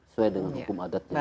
sesuai dengan hukum adat